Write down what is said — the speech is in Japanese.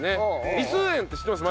リス園って知ってます？